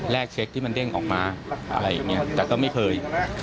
เช็คที่มันเด้งออกมาอะไรอย่างนี้แต่ก็ไม่เคย